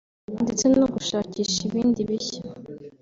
ndetse no gushakisha ibindi bishya